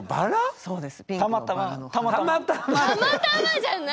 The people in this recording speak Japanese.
たまたまじゃない！